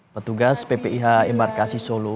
petugas ppih embarkasi solo